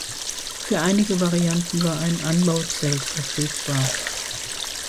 Für einige Varianten war ein Anbauzelt verfügbar.